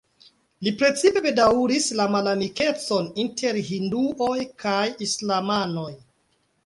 Li precipe bedaŭris la malamikecon inter hinduoj kaj islamanoj.